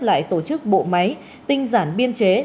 lại tổ chức bộ máy tinh giản biên chế